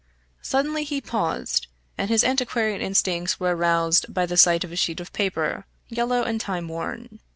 Suddenly he paused, and his antiquarian instincts were aroused by the sight of a sheet of paper, yellow and time worn.